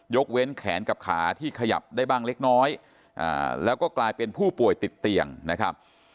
เว้นแขนกับขาที่ขยับได้บ้างเล็กน้อยแล้วก็กลายเป็นผู้ป่วยติดเตียงนะครับ